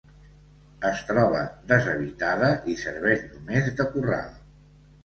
Es troba deshabitada i serveix només de corral.